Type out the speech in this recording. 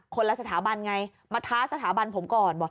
ละสถาบันไงมาท้าสถาบันผมก่อนบอก